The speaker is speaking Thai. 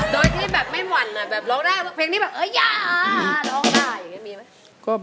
โดยที่แบบไม่หวั่นนะร้องได้เพลงนี่แบบเอาอย่าร้องได้